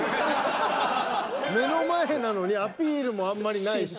目の前なのにアピールもあんまりないし。